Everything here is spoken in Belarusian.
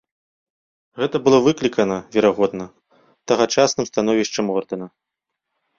Гэта было выклікана, верагодна, тагачасным становішчам ордэна.